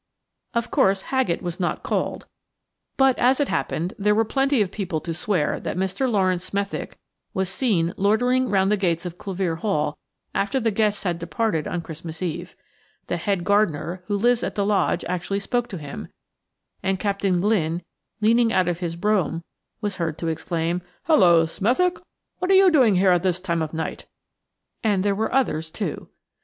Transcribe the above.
Of course, Haggett was not called, but, as it happened, there were plenty of people to swear that Mr. Laurence Smethick was seen loitering round the gates of Clevere Hall after the guests had departed on Christmas Eve. The head gardener, who lives at the lodge actually spoke to him, and Captain Glynne, leaning out of his brougham, was heard to exclaim: "Hello, Smethick, what are you doing here at this time of night?" And there were others, too.